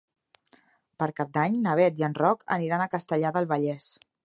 Per Cap d'Any na Bet i en Roc aniran a Castellar del Vallès.